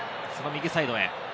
その右サイドへ。